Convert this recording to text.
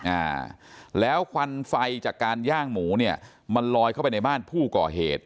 อ่าแล้วควันไฟจากการย่างหมูเนี่ยมันลอยเข้าไปในบ้านผู้ก่อเหตุ